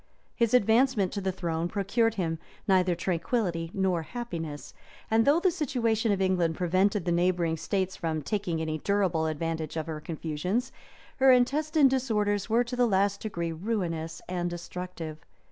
His advancement to the throne procured him neither tranquillity nor happiness; and though the situation of England prevented the neighboring states from taking any durable advantage of her confusions, her intestine disorders were to the last degree ruinous and destructive.